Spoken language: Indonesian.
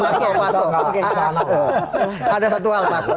pak astok pak astok ada satu hal pak